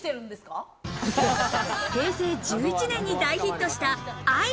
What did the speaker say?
平成１１年に大ヒットしたＡＩＢＯ。